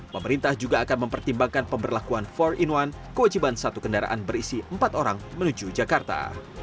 pemerintah juga akan mempertimbangkan pemberlakuan empat in satu kewajiban satu kendaraan berisi empat orang menuju jakarta